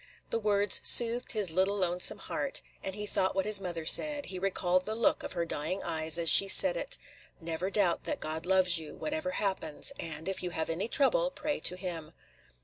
The words soothed his little lonesome heart; and he thought what his mother said, – he recalled the look of her dying eyes as she said it, – "Never doubt that God loves you, whatever happens, and, if you have any trouble, pray to him."